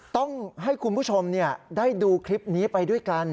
ต้องให้คุณผู้ชมได้ดูคลิปนี้ไปด้วยกัน